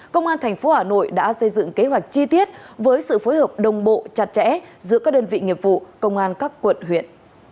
công an tp hà nội đã xây dựng kế hoạch chi tiết với sự phối hợp đồng bộ chặt chẽ giữa các đơn vị nghiệp vụ công an các quận huyện